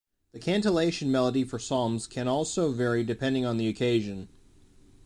The cantillation melody for Psalms can also vary depending on the occasion.